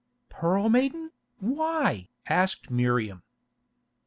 "Pearl Maiden! Why?" asked Miriam.